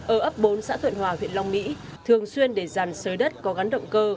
ở ấp bốn xã thuận hòa huyện long mỹ thường xuyên để giàn sới đất có gắn động cơ